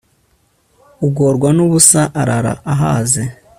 ugorwa n'ubusa arara ahaze